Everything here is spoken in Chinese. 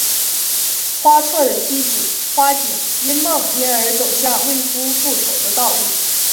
花错的妻子花景因梦因而走向为夫复仇的道路。